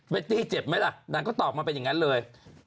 ตี้เจ็บไหมล่ะนางก็ตอบมาเป็นอย่างนั้นเลย